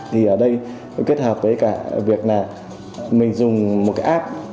thì ở đây kết hợp với cả việc là mình dùng một cái app